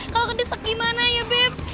kalau kedesak gimana ya beb